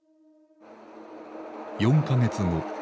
４か月後。